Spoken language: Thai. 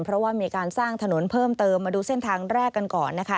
เพราะว่ามีการสร้างถนนเพิ่มเติมมาดูเส้นทางแรกกันก่อนนะคะ